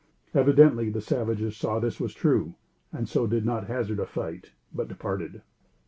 Evidently the savages saw this was true, and so did not hazard a fight, but departed.